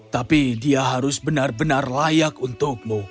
tapi dia harus benar benar layak untukmu